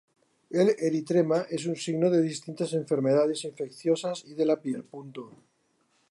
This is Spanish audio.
El eritema es un signo de distintas enfermedades infecciosas y de la piel.